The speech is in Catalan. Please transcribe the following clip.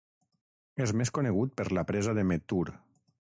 És més conegut per la presa de Mettur.